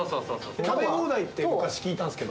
食べ放題って昔聞いたんですけど。